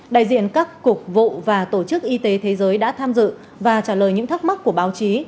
đại diện các cục vụ và tổ chức y tế thế giới đã tham dự và trả lời những thắc mắc của báo chí